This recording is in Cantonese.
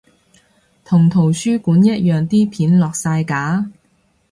同圖書館一樣啲片下晒架？